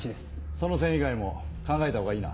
その線以外も考えたほうがいいな。